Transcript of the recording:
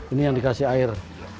ini yang dikasih air